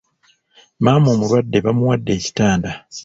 Maama omulwadde bamuwadde ekitanda.